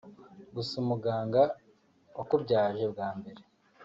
gusa umuganga wakubyaje bwa mbere